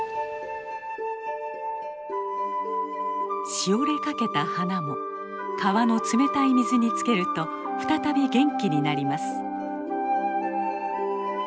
しおれかけた花も川の冷たい水につけると再び元気になります。